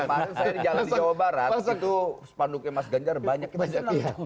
masa saya jalan di jawa barat itu panduknya mas ganjar banyak kita jalan